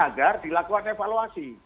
agar dilakukan evaluasi